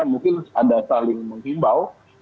mungkin ada saling menghimbau